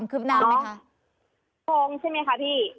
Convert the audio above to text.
อ๋อโพงใช่ไหมคะพี่